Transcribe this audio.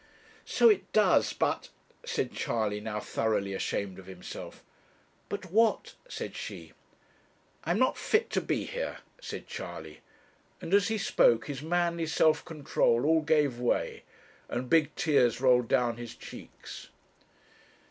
'So it does but ' said Charley, now thoroughly ashamed of himself. 'But what?' said she. 'I am not fit to be here,' said Charley; and as he spoke his manly self control all gave way, and big tears rolled down his cheeks.